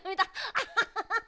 アハハハハハ！